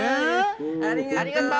ありがとう。